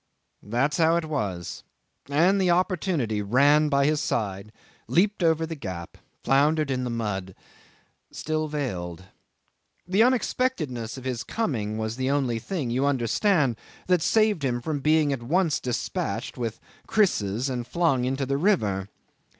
'That's how it was and the opportunity ran by his side, leaped over the gap, floundered in the mud ... still veiled. The unexpectedness of his coming was the only thing, you understand, that saved him from being at once dispatched with krisses and flung into the river.